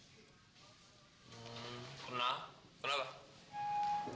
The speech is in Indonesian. hmm kenal kenapa